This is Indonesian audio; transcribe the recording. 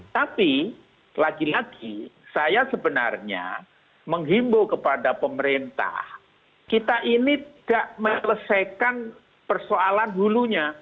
tapi lagi lagi saya sebenarnya menghimbau kepada pemerintah kita ini tidak menyelesaikan persoalan hulunya